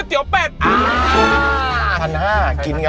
ถ่ายไปเท่าไหร่นะ